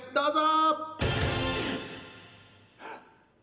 どうぞ！